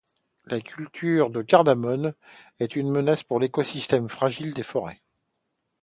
La culture de Cardamome est une menace pour l'écosystème fragile des forêts.